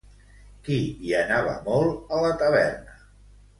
Qui hi anava molt a la taverna?